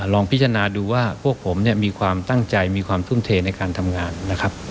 ลองพิจารณาดูว่าพวกผมเนี่ยมีความตั้งใจมีความทุ่มเทในการทำงานนะครับ